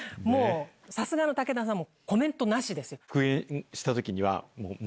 さすがの武田さんもコメントなしです。